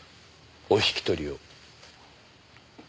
お引き取りを。